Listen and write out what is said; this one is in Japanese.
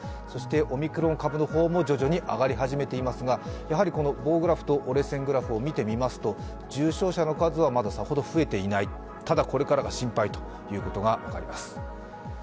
そしてオミクロン株の方も徐々に上がり始めていますが、棒グラフと折れ線グラフを見てみますと、重症者の数はまださほど増えていない、ただこれからが心配ということが分かります。